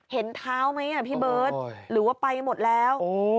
เห็นเท้าไหมพี่เบิร์ตหรือว่าไปหมดแล้ว